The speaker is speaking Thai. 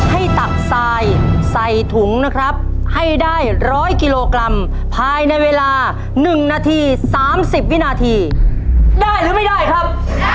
ให้ตักทรายใส่ถุงนะครับให้ได้ร้อยกิโลกรัมภายในเวลาหนึ่งนาทีสามสิบวินาทีได้หรือไม่ได้ครับ